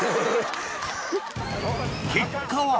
結果は？